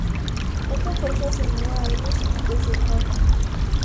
Otra fuerza se unió a ellos desde el norte.